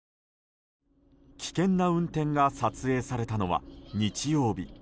危険な運転が撮影されたのは日曜日。